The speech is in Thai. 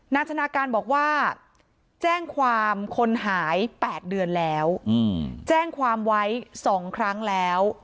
ชนะการบอกว่าแจ้งความคนหาย๘เดือนแล้วแจ้งความไว้๒ครั้งแล้ว